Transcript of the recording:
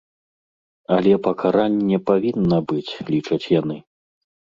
Але пакаранне павінна быць, лічаць яны.